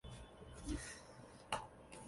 海悦国际是来自新加坡的酒店集团。